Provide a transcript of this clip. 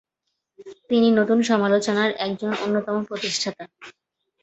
তিনি নতুন সমালোচনার একজন অন্যতম প্রতিষ্ঠাতা।